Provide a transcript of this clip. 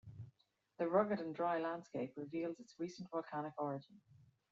The rugged and dry landscape reveals its recent volcanic origin.